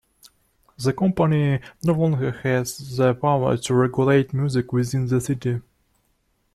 The Company no longer has the power to regulate music within the City.